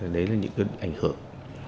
đấy là những cái ảnh hưởng